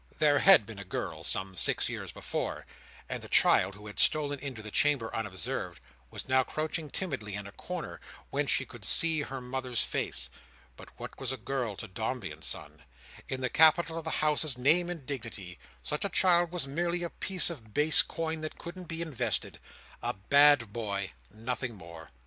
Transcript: There had been a girl some six years before, and the child, who had stolen into the chamber unobserved, was now crouching timidly, in a corner whence she could see her mother's face. But what was a girl to Dombey and Son! In the capital of the House's name and dignity, such a child was merely a piece of base coin that couldn't be invested—a bad Boy—nothing more.